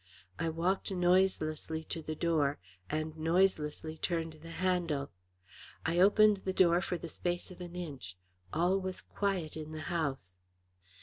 I walked noiselessly to the door, and noiselessly turned the handle. I opened the door for the space of an inch; all was quiet in the house.